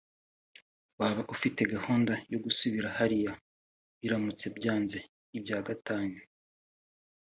waba ufite gahunda yo gusubira hariya biramutse byanzeibya gatanya